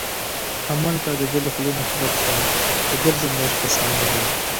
همالته د ده له خولې نه خبر شوم چې ګرځنده اشپزخانه به.